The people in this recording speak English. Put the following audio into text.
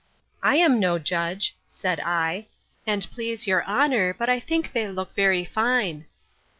—I am no judge, said I, and please your honour; but I think they look very fine.